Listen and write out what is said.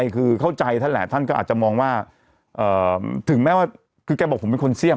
คือเข้าใจท่านแหละท่านก็อาจจะมองว่าถึงแม้ว่าคือแกบอกผมเป็นคนเสี่ยม